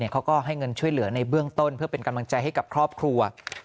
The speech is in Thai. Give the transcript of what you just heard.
เขาก็ให้เงินช่วยเหลือในเบื้องต้นเพื่อเป็นกำลังใจให้กับครอบครัว